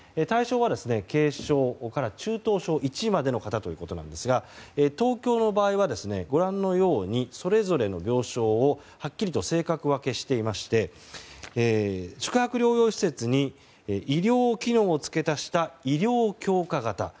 対象は軽症から中等症１ということですが東京の場合は、ご覧のようにそれぞれの病床をはっきりと性格分けしていまして宿泊療養施設に医療機能を付け足した医療強化型。